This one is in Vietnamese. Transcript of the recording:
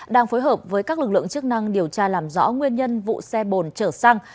đang phối hợp với các lực lượng chức năng điều tra làm rõ nguyên nhân vụ xe bồn chở xăng